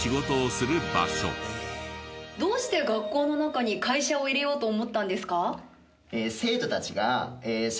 どうして学校の中に会社を入れようと思ったんですか？